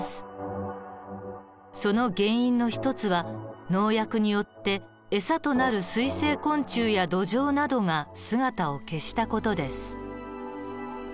その原因の一つは農薬によって餌となる水生昆虫やドジョウなどが姿を消した事です。